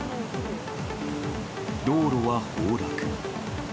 道路は崩落。